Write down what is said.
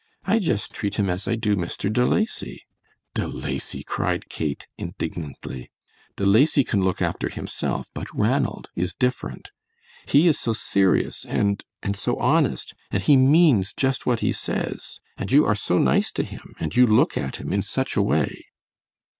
I just treat him as I do Mr. De Lacy." "De Lacy!" cried Kate, indignantly. "De Lacy can look after himself, but Ranald is different. He is so serious and and so honest, and he means just what he says, and you are so nice to him, and you look at him in such a way!"